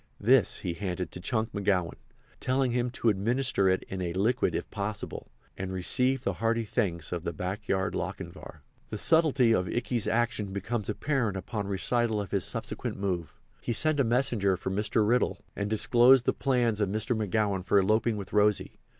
This he handed to Chunk McGowan, telling him to administer it in a liquid if possible, and received the hearty thanks of the backyard Lochinvar. The subtlety of Ikey's action becomes apparent upon recital of his subsequent move. He sent a messenger for Mr. Riddle and disclosed the plans of Mr. McGowan for eloping with Rosy.